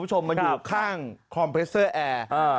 คุณผู้ชมมันอยู่ข้างคอมเพรสเซอร์แอร์